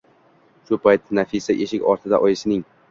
Shu payt Nafisa eshik ortida oyisining